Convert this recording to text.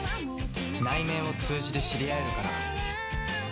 内面を通じて知り合えるから。